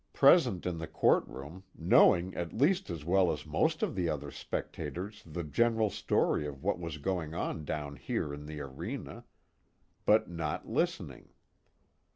Present in the courtroom, knowing at least as well as most of the other spectators the general story of what was going on down here in the arena; but not listening.